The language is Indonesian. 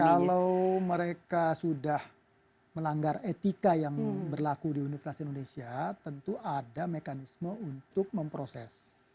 kalau mereka sudah melanggar etika yang berlaku di universitas indonesia tentu ada mekanisme untuk memproses